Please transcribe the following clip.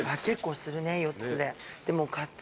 結構するね４つで。